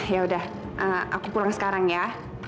yaudah aku pulang sekarang ya